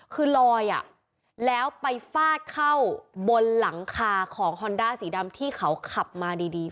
คือลอยแล้วไปฟาดเข้าบนหลังคาของฮอนด้าสีดำที่เขาขับมาดี